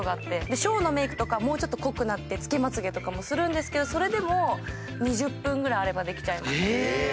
ショーのメイクとかは濃くなって付けまつげとかするんですけどそれでも２０分ぐらいあればできちゃいます。